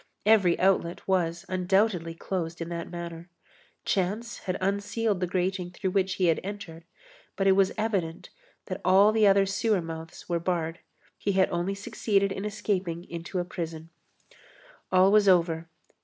Every outlet was, undoubtedly, closed in that manner. Chance had unsealed the grating through which he had entered, but it was evident that all the other sewer mouths were barred. He had only succeeded in escaping into a prison. All was over.